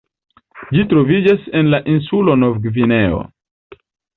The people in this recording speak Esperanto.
Ĝi troviĝas en la insulo Novgvineo.